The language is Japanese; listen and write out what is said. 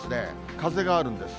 風があるんです。